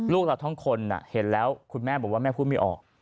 ลูกเราทั้งคนเห็นแล้วคุณแม่บอกว่าแม่พูดไม่ออก